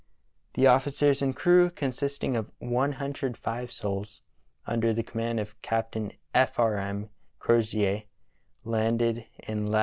The officers and crew, consisting of 105 souls, under the command of Capt. F. R. M. Crozier, landed in Lat.